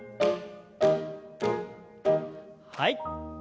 はい。